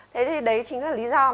thế thì đấy chính là lý do